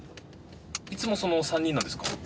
いつもその３人なんですか？